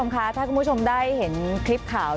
มีประวัติศาสตร์ที่สุดในประวัติศาสตร์